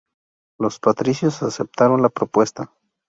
Los patricios aceptaron la propuesta.